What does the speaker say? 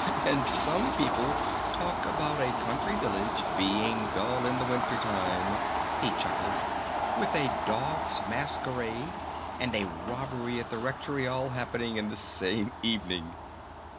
"And some people talk about a country village being dull in the Winter Time!" he chuckled. "With a Dog's Masquerade and a Robbery at the Rectory all happening the same evening!"